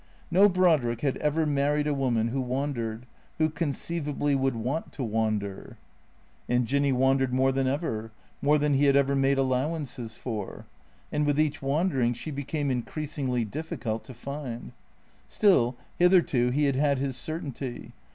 No Brodrick had ever married a woman who wandered, who conceivably would want to wander. And Jinny wandered more than ever; more than he had ever made allowances for. And with each wandering she became increasingly difficult to find. Still, hitherto he had had his certainty.